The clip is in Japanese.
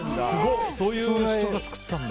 そういう人が作ったんだ。